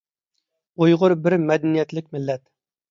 ئۇيغۇر بىر مەدەنىيەتلىك مىللەت.